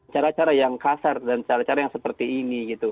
cara cara yang kasar dan cara cara yang seperti ini gitu